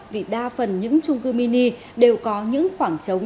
vì đa phần những trung cư mini đều có những khoảng trống